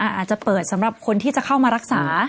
อาจจะเปิดสำหรับคนที่จะเข้ามารักษา